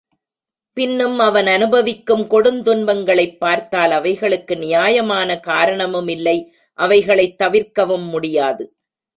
பின்னும் அவன் அநுபவிக்கும் கொடுந் துன்பங்களைப் பார்த்தால், அவைகளுக்கு நியாயமான காரணமும் இல்லை அவைகளைத் தவிர்க்கவும் முடியாது.